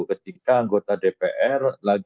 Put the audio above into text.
ketika anggota dpr